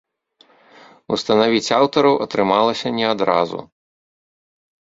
Устанавіць аўтараў атрымалася не адразу.